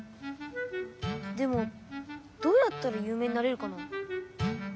でもどうやったらゆう名になれるかな？